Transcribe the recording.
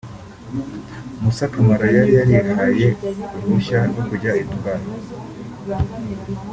Moussa Camara yari yarihaye uruhushya rwo kujya i Dubai